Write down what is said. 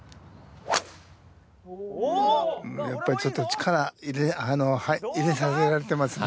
やっぱりちょっと力入れさせられてますね。